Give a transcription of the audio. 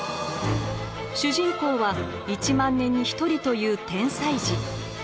主人公は１万年に一人という天才児。